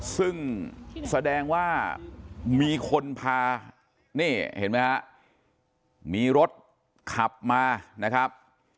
ซึ่งแสดงว่ามีคนพามีรถขับมานะครับ